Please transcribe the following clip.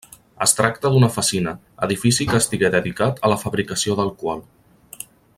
Es tracta d'una fassina, edifici que estigué dedicat a la fabricació d'alcohol.